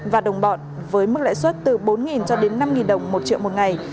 và đồng bọn với mức lãi suất từ bốn cho đến năm đồng một triệu một ngày